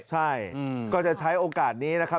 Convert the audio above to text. ใช่ก็จะใช้โอกาสนี้นะครับ